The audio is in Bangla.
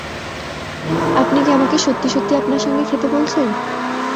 আপনি কি আমাকে সত্যি-সত্যি আপনার সঙ্গে খেতে বলছেন?